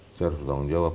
saya harus menanggung jawab